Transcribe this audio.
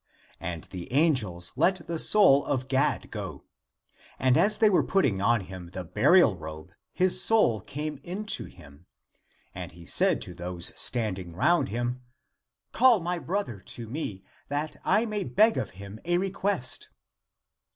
And the angels let the soul of Gad go. And as they were putting on him the burial robe his soul came into him. And he said to those standing round him, " Call my brother to me, that I may beg of him a request."